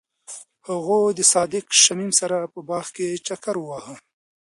هغوی د صادق شمیم سره په باغ کې چکر وواهه.